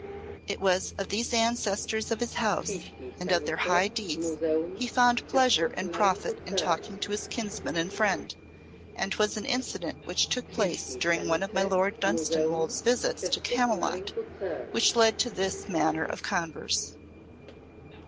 It was of these ancestors of his house and of their high deeds he found pleasure and profit in talking to his kinsman and friend, and 'twas an incident which took place during one of my Lord Dunstanwolde's visits to Camylott which led them to this manner of converse.